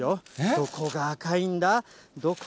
どこが赤いんだ？